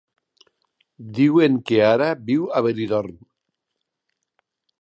Diuen que ara viu a Benidorm.